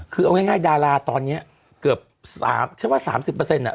คือเอาง่ายดาราตอนนี้เกือบ๓ฉันว่า๓๐อ่ะ